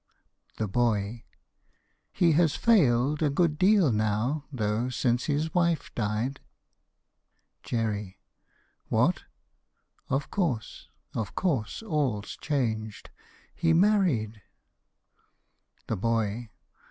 THE BOY. He has failed A good deal now, though, since his wife died. JERRY. What! (Of course; of course; all's changed.) He married! THE BOY.